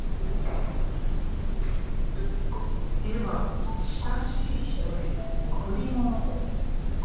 絵は親しい人への贈り物。